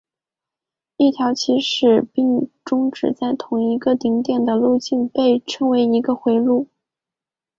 一条起始并终止在同一个顶点的路径被称为一个回路。